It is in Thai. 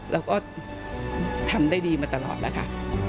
เราก็ทำได้ดีมาตลอดแล้วค่ะ